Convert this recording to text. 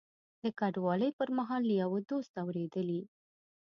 د کډوالۍ پر مهال له یوه دوست اورېدلي.